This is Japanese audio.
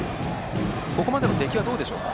ここまでの出来はどうでしょうか。